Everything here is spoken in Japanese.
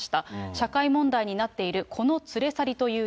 社会問題になっているこの連れ去りという